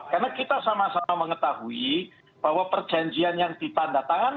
karena kita sama sama mengetahui bahwa perjanjian yang ditanda tangan